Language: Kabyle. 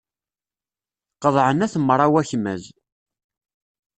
Qeḍɛen At Mraw akmaz.